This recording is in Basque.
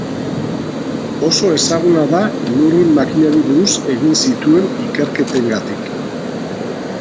Oso ezaguna da lurrun-makinari buruz egin zituen ikerketengatik.